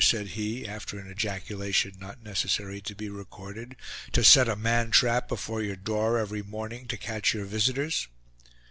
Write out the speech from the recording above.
said he, after an ejaculation not necessary to be recorded, "to set a man trap before your door every morning to catch your visitors."